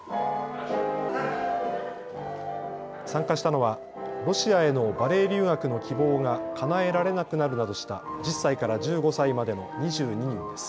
参加したのはロシアへのバレエ留学の希望がかなえられなくなるなどした１０歳から１５歳までの２２人です。